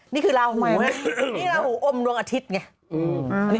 นี่คือลาหูอมรวงอาทิตย์ไง